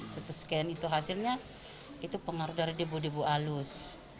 ct scan itu hasilnya itu pengaruh dari debu debu alus